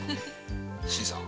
新さん